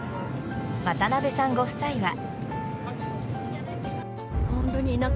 渡辺さんご夫妻は。